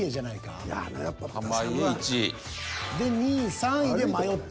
濱家１位。で２位３位で迷った。